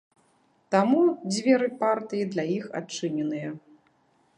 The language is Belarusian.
Таму дзверы партыі для іх адчыненыя.